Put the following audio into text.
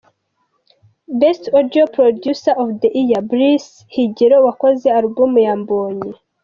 Best Audio Producer of the year: Bris Higiro wakoze alubum ya Mbonyi.